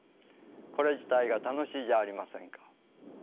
これ自体が楽しいじゃありませんか。